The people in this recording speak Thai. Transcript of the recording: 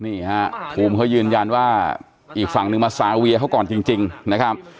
นี่ฮะภูมิเขายืนยันว่าอีกฝั่งนึงมาซาเวียเขาก่อนจริงนะครับ